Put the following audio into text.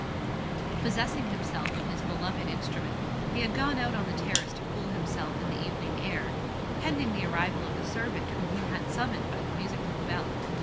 Possessing himself of his beloved instrument, he had gone out on the terrace to cool himself in the evening air, pending the arrival of the servant whom he had summoned by the music room bell.